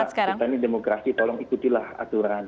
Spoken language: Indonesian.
kami ingin mbak kita ini demokrasi tolong ikutilah aturan